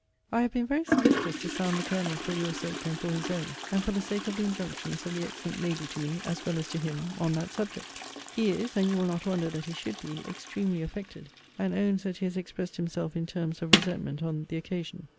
I have been very solicitous to sound the Colonel, for your sake, and for his own, and for the sake of the injunctions of the excellent lady to me, as well as to him, on that subject. He is (and you will not wonder that he should be) extremely affected; and owns that he has expressed himself in terms of resentment on the occasion.